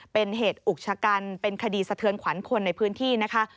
เป็นเหตุอุกชะกันเป็นคดีสะเทือนขวัญคนในพื้นที่นะคะ